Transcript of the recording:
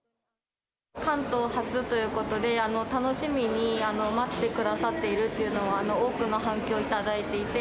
関東初ということで、楽しみに待ってくださっているっていうのは、多くの反響を頂いていて。